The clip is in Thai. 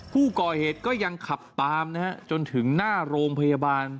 ผู้ก่อเหตุก็ยังขับตามนะฮะจนถึงหน้าโรงพยาบาล